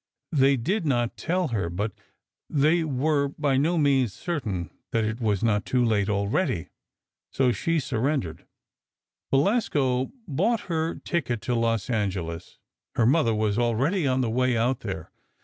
They did not tell her, but they were by no means certain that it was not too late already. So she surrendered. Belasco bought her ticket to Los Angeles; her mother was already on the way out there.